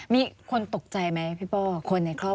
มีคนตกใจไหมพี่ป้อคนในครอบครัว